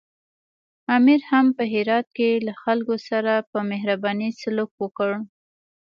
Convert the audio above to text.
امیر هم په هرات کې له خلکو سره په مهربانۍ سلوک وکړ.